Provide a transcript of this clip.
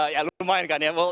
ya lumayan kan ya